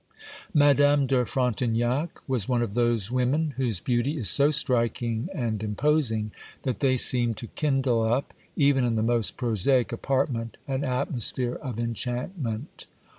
Madame de Frontignac was one of those women whose beauty is so striking and imposing, that they seem to kindle up, even in the most prosaic apartment, an atmosphere of enchantment.